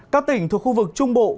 các tỉnh thuộc khu vực trung bộ